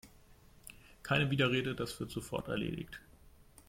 Keine Widerrede, das wird sofort erledigt!